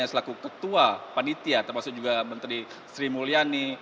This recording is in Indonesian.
selaku ketua panitia termasuk juga menteri sri mulyani